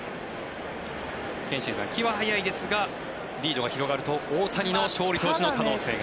憲伸さん、気は早いですがリードが広がると大谷の勝利投手の可能性が。